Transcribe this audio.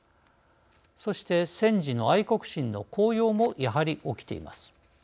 そして戦時の愛国心の高揚もやはり起きています。